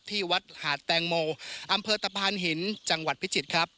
ที่วัดหาดแตงโมอำเภอตะพานหินจังหวัดพิจิตรครับ